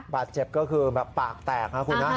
บาดเจ็บก็คือแบบปากแตกนะคุณนะ